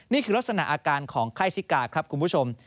นี่คือลักษณะอาการของไข้ซิกาครับคุณผู้ชม